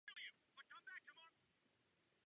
K tomu potřebujeme obecné standardy.